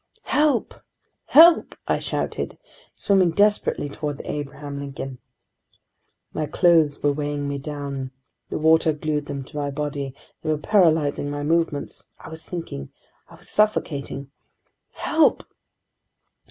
"Help! Help!" I shouted, swimming desperately toward the Abraham Lincoln. My clothes were weighing me down. The water glued them to my body, they were paralyzing my movements. I was sinking! I was suffocating ...! "Help!"